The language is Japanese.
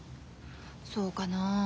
そうかなあ。